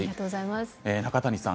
中谷さん